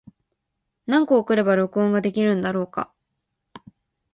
何個送れば録音ができるんだろうか。